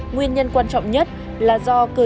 nguyên nhân quan trọng nhất là do cơ chế phối hợp